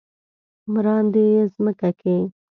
مراندې يې مځکه کې ،